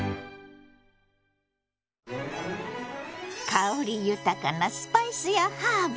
香り豊かなスパイスやハーブ。